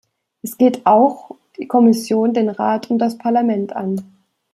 Es geht auch die Kommission, den Rat und das Parlament an.